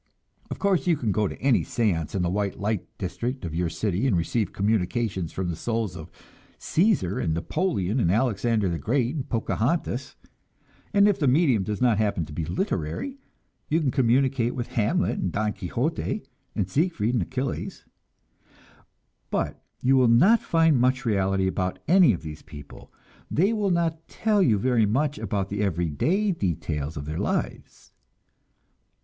Of course, you can go to any seance in the "white light" district of your city and receive communications from the souls of Cæsar and Napoleon and Alexander the Great and Pocahontas, and if the medium does not happen to be literary, you can communicate with Hamlet and Don Quixote and Siegfried and Achilles; but you will not find much reality about any of these people, they will not tell you very much about the everyday details of their lives.